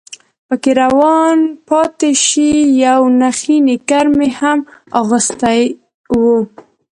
پکې روان پاتې شي، یو نخی نیکر مې هم اغوستی و.